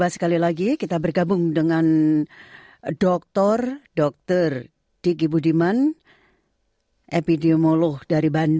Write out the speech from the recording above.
selamat siang mbak sri